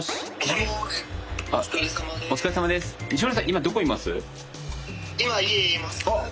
今どこいます？あっ！